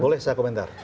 boleh saya komentar